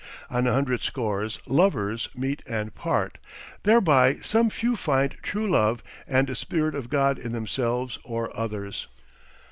On a hundred scores 'lovers' meet and part. Thereby some few find true love and the spirit of God in themselves or others.